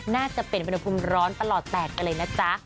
น่าจะเป็นอุณหภูมิร้อนประหลอดแตกไปเลยนะจ๊ะ